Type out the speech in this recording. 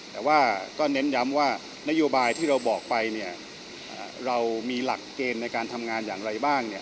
แต่ว่าก็เน้นย้ำว่านโยบายที่เราบอกไปเนี่ยเรามีหลักเกณฑ์ในการทำงานอย่างไรบ้างเนี่ย